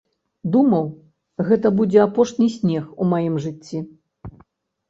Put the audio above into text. Думаў, гэта будзе апошні снег у маім жыцці.